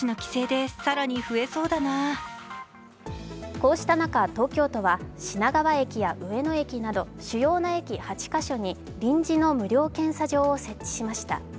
こうした中、東京都は品川駅や上野駅など主要な駅８か所に臨時の無料検査場を設置しました。